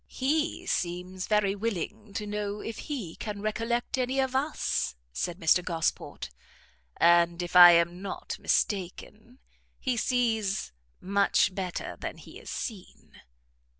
"He seems very willing to know if he can recollect any of us," said Mr Gosport, "and, if I am not mistaken, he sees much better than he is seen."